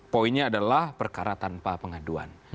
poinnya adalah perkara tanpa pengaduan